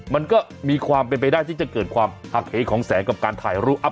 มันก็มีความเป็นไปได้ที่จะเกิดความหักเหของแสงกับการถ่ายรูป